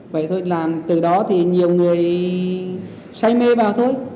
vậy thôi làm từ đó thì nhiều người say mê vào thôi